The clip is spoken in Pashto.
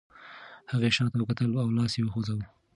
هغې شاته وکتل او لاس یې وخوځاوه.